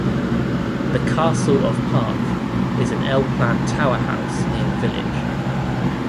The Castle of Park is an L-plan tower house near the village.